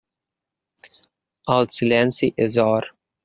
El silenci és or.